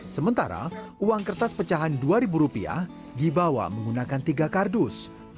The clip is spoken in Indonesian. sementara uang kertas pecahan dua ribu rupiah dibawa menggunakan tiga kardus